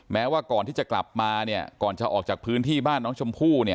แม้ว่าก่อนที่จะกลับมาเนี่ยก่อนจะออกจากพื้นที่บ้านน้องชมพู่เนี่ย